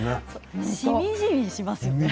しみじみしますよね。